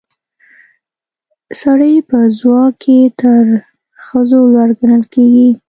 سړي په ځواک کې تر ښځو لوړ ګڼل کیږي